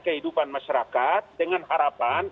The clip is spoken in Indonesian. kehidupan masyarakat dengan harapan